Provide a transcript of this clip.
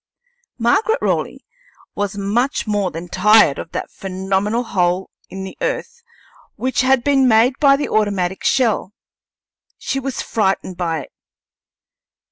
Margaret Raleigh was much more than tired of that phenomenal hole in the earth which had been made by the automatic shell; she was frightened by it.